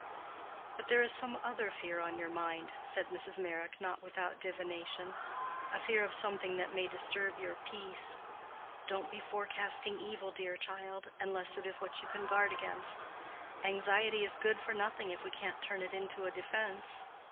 "But there is some other fear on your mind," said Mrs. Meyrick not without divination—"a fear of something that may disturb your peace. Don't be forecasting evil, dear child, unless it is what you can guard against. Anxiety is good for nothing if we can't turn it into a defense.